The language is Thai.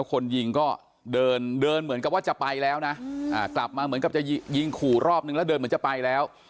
คนยิงก็เดินเดินเหมือนกับว่าจะไปแล้วนะกลับมาเหมือนกับจะยิงขู่รอบนึงแล้วเดินเหมือนจะไปแล้ว